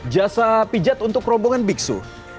jasa pijat untuk rombongan biksu